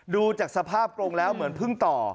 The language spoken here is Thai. ดูจากสภาพกรงแล้วเหมือนเพิ่งต่อ